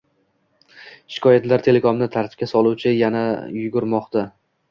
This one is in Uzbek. Shikoyatlar "telekomni tartibga soluvchi Yana Yugurmoqda